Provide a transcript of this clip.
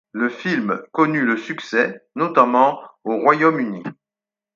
Le film connut le succès, notamment au Royaume-Uni.